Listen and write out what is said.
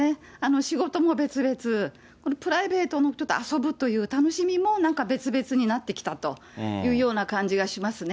仕事も別々、これ、プライベートのちょっと遊ぶという楽しみも、なんか別々になってきたというような感じがしますね。